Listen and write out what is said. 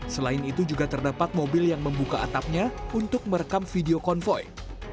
selain itu juga terdapat mobil yang membuka atapnya untuk merekam video konvoy